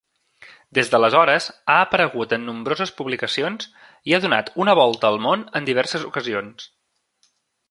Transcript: Des d'aleshores ha aparegut en nombroses publicacions, i ha donat una volta al món en diverses ocasions.